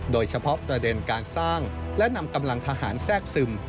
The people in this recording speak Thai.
โดยเฉพาะประเด็นการสร้างและนำกำลังทหารแทรกซึม